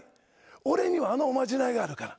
俺にはあのおまじないがあるから。